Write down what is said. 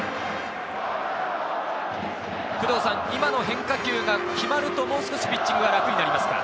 今の変化球が決まると、もう少しピッチングが楽になりますか？